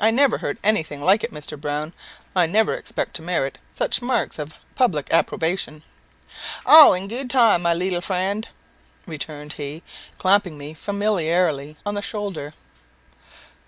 "I never heard anything like it, Mr. Browne. I never expect to merit such marks of public approbation." "All in good time, my leetle friend," returned he, clapping me familiarly on the shoulder.